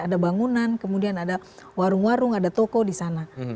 ada bangunan kemudian ada warung warung ada toko disana